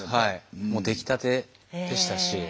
もう出来たてでしたし。